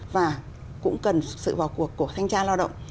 và cũng cần sự vào cuộc của thanh tra lao động